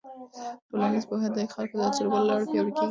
ټولنیز پوهه د خلکو د تجربو له لارې پیاوړې کېږي.